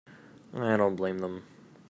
I don't blame them.